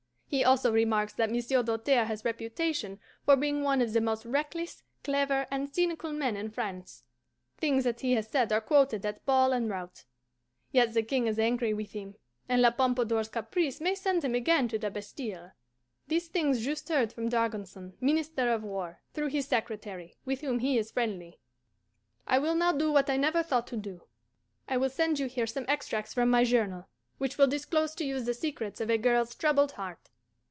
He also remarks that Monsieur Doltaire has reputation for being one of the most reckless, clever, and cynical men in France. Things that he has said are quoted at ball and rout. Yet the King is angry with him, and La Pompadour's caprice may send him again to the Bastile. These things Juste heard from D'Argenson, Minister of War, through his secretary, with whom he is friendly. I will now do what I never thought to do: I will send you here some extracts from my journal, which will disclose to you the secrets of a girl's troubled heart.